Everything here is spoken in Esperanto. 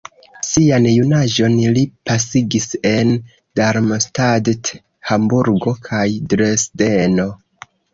Sian junaĝon li pasigis en Darmstadt, Hamburgo kaj Dresdeno.